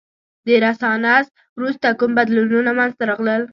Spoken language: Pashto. د رنسانس وروسته کوم بدلونونه منځته راغلل؟